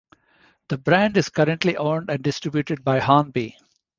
The brand is currently owned and distributed by Hornby.